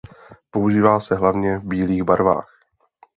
Používá se hlavně v bílých barvách.